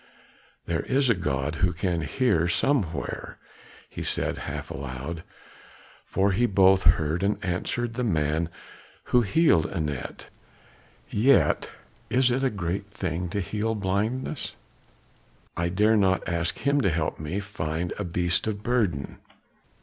"There is a God who can hear somewhere," he said half aloud. "For he both heard and answered the man who healed Anat; yet is it a great thing to heal blindness, I dare not ask him to help me find a beast of burden.